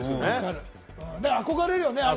憧れるよね。